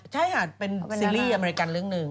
ใช่ค่ะเป็นซีรีส์อเมริกันเรื่องหนึ่ง